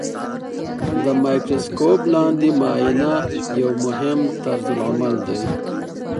د مایکروسکوپ لاندې معاینه یو مهم طرزالعمل دی.